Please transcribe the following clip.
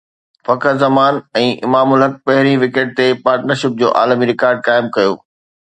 فخر زمان ۽ امام الحق پهرين وڪيٽ تي پارٽنرشپ جو عالمي رڪارڊ قائم ڪيو